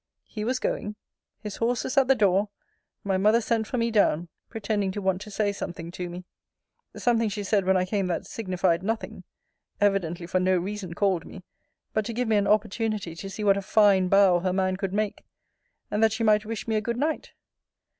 He was going. His horses at the door. My mother sent for me down, pretending to want to say something to me. Something she said when I came that signified nothing Evidently, for no reason called me, but to give me an opportunity to see what a fine bow her man could make; and that she might wish me a good night.